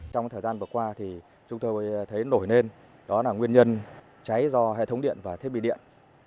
trong thời gian vừa qua thì chúng tôi thấy nổi lên đó là nguyên nhân cháy do hệ thống điện và thiết bị điện